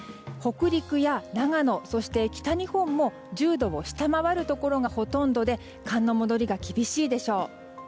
北陸や長野、そして北日本も１０度を下回るところがほとんどで寒の戻りが厳しいでしょう。